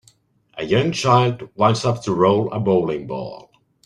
A young child winds up to roll a bowling ball